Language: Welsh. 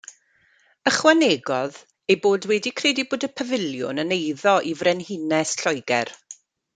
Ychwanegodd ei bod wedi credu bod y pafiliwn yn eiddo i Frenhines Lloegr.